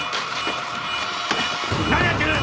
何やってる！